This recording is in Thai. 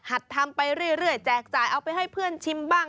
ทำไปเรื่อยแจกจ่ายเอาไปให้เพื่อนชิมบ้าง